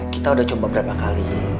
kita udah coba berapa kali